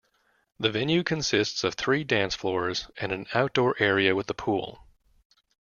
The venue consists of three dance floors and an outdoor area with a pool.